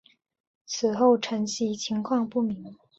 此后承袭情况不明。